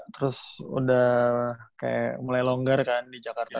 terus udah kayak mulai longgar kan di jakarta